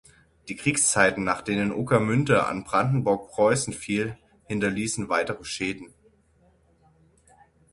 Die Kriegszeiten, nach denen Ueckermünde an Brandenburg-Preußen fiel, hinterließen weitere Schäden.